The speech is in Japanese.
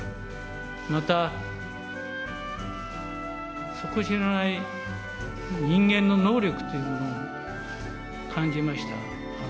また、底知れない人間の能力というものを感じました。